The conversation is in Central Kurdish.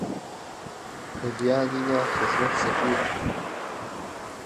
بردیانینە خزمەت سەفیر